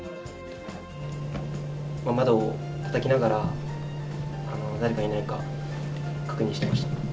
窓をたたきながら、誰かいないか確認していました。